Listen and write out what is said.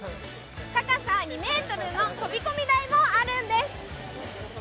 高さ２ｍの飛び込み台もあるんです。